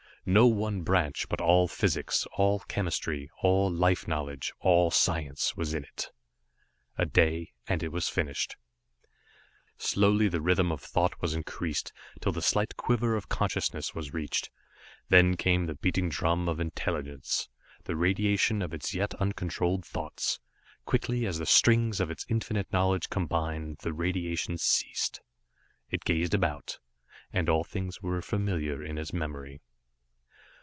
No one branch, but all physics, all chemistry, all life knowledge, all science was in it. A day and it was finished. Slowly the rhythm of thought was increased, till the slight quiver of consciousness was reached. Then came the beating drum of intelligence, the radiation of its yet uncontrolled thoughts. Quickly as the strings of its infinite knowledge combined, the radiation ceased. It gazed about it, and all things were familiar in its memory.